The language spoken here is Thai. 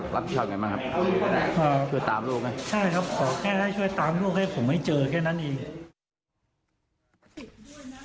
ใช่ครับขอแค่ให้ช่วยตามลูกให้ผมไม่เจอแค่นั้นอีก